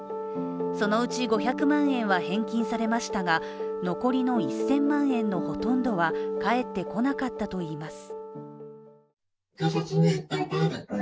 そのうち５００万円は返金されましたが残りの１０００万円のほとんどは返ってこなかったといいます。